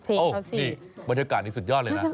บรรยากาศนี่สุดยอดเลย